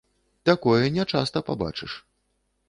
Такое не часта пабачыш.